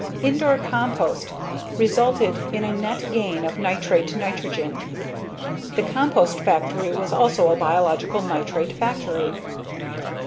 _ Indore compost resulted in a net gain of nitrate nitrogen. The compost factory was also a biological nitrate factory.